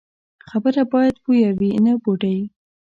خبره باید بویه وي، نه بوډۍ.